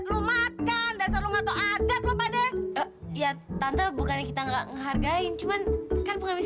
lu makan dasar rumah atau adat lo pada ya tante bukannya kita enggak ngehargain cuman kan pengamit